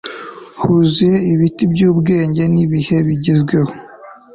Huzuye ibiti byubwenge nibihe bigezweho